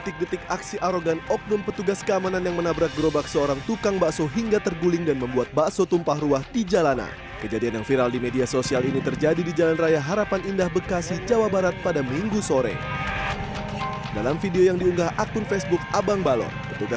ketika dianggap berhenti petugas keamanan menerima penyelamat